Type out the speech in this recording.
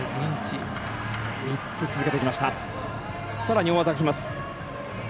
さらに大技きます。